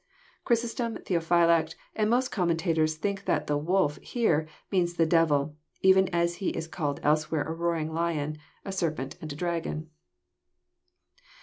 Chrysostom, Theophylact, and most commentators think that the '* wolf" here means the devil, even as he Is called else* where a roaring lion, a serpent, and a dragon.